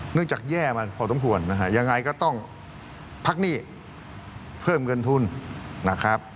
จากแย่มาพอสมควรนะฮะยังไงก็ต้องพักหนี้เพิ่มเงินทุนนะครับ